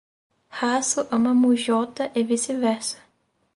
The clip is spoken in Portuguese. Haso ama Mujota e vice-versa.